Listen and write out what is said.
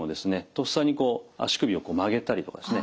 とっさに足首を曲げたりとかですね